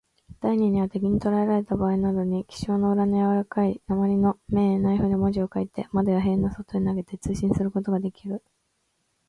第二には、敵にとらえられたばあいなどに、記章の裏のやわらかい鉛の面へ、ナイフで文字を書いて、窓や塀の外へ投げて、通信することができる。